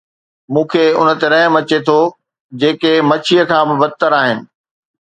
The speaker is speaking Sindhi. مون کي انهن تي رحم اچي ٿو، جيڪي مڇيءَ کان به بدتر آهن